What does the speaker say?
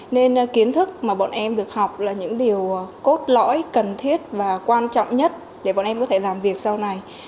nên kiến thức mà bọn em được học là những điều cốt lõi cần thiết và quan trọng nhất để bọn em có thể làm việc sau này